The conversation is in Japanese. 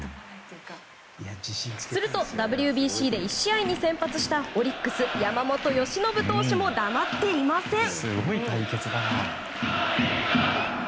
するとＷＢＣで１試合に先発したオリックス、山本由伸投手も黙っていません。